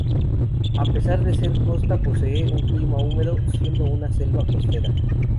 A pesar de ser costa, posee un clima húmedo, siendo una selva costera.